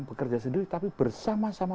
bekerja sendiri tapi bersama sama